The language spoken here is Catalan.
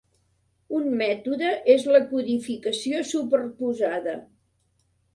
Un mètode és la codificació superposada.